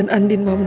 dan ini aku juga